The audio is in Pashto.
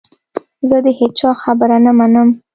زه د هیچا خبره نه منم .